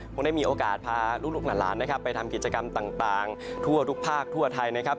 คงได้มีโอกาสพาลูกหลานนะครับไปทำกิจกรรมต่างทั่วทุกภาคทั่วไทยนะครับ